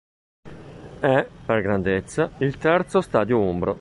È, per grandezza, il terzo stadio umbro.